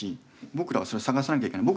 僕らはそれを探さなきゃいけないし。